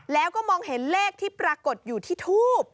แล้วก็มองเห็นเลขที่ปรากฏอยู่ที่ทูบ